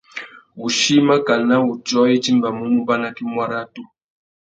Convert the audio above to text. Wuchí makana wutiō i timbamú mubanaki muaratu.